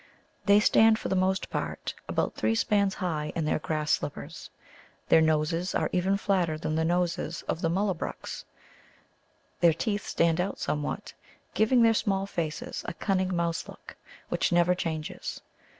They stand for the most part about three spans high in their grass slippers. Their noses are even flatter than the noses of the Mullabruks. Their teeth stand out somewhat, giving their small faces a cunning mouse look, which never changes.